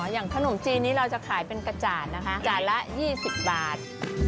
อย่างขนมจีนนี้เราจะขายเป็นกระจ่านนะคะจานละ๒๐บาท